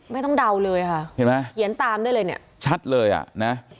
ไม่ต้องเดาเลยฮะเห็นมั้ยเหยียนตามได้เลยเนี่ยชัดเลยอ่ะนะ